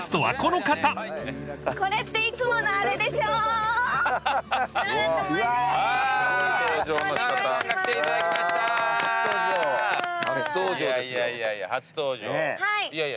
はい。